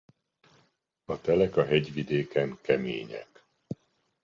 A telek a hegyvidéken kemények.